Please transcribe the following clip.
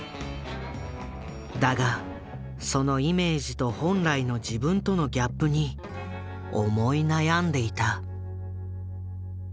だがそのイメージと本来の自分とのギャップに思い悩んでいた。